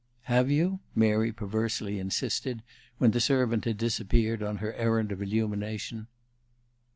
"Have you?" Mary perversely insisted, when the servant had disappeared on her errand of illumination.